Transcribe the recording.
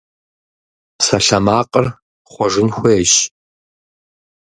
Псалъэмакъыр хъуэжын хуейщ.